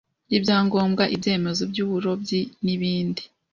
ry ibyangobwa ibyemezo by uburobyi n ibindi